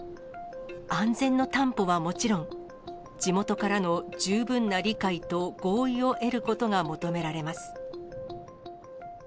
安全の担保はもちろん、地元からの十分な理解と合意を得ることが求められます。